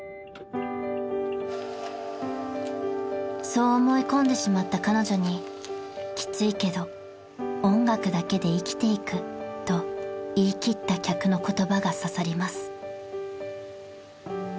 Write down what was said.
［そう思い込んでしまった彼女に「きついけど音楽だけで生きていく」と言いきった客の言葉が刺さります］